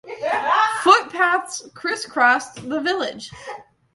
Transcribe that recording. Foot paths criss-cross the village.